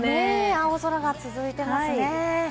青空が続いてますね。